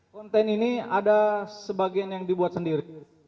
konten ini ada sebagian yang dibuat sendiri